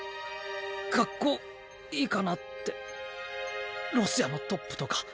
かっこいいかなってロシアのトップとか。